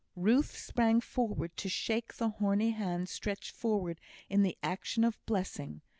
Ruth sprang forward to shake the horny hand stretched forward in the action of blessing.